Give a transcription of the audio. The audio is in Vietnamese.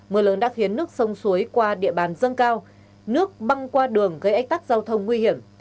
mưa lớn đã khiến nước sông suối qua địa bàn dâng cao nước băng qua đường gây ách tắc giao thông nguy hiểm